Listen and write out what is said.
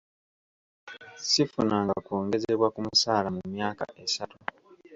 Sifunanga kwongezebwa ku musaala mu myaka esatu.